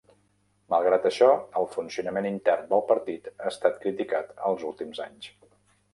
Malgrat això, el funcionament intern del partit ha estat criticat els últims anys.